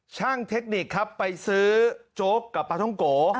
เทคนิคครับไปซื้อโจ๊กกับปลาท่องโก